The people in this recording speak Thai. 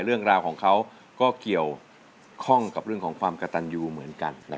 เรื่องราวของเขาก็เกี่ยวข้องกับเรื่องของความกระตันยูเหมือนกัน